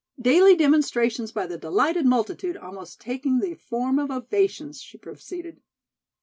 "'Daily demonstrations by the delighted multitude almost taking the form of ovations,'" she proceeded.